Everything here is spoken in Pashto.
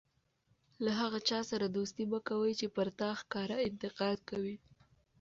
له هغه چا سره دوستي مه کوئ! چي پر تا ښکاره انتقاد کوي.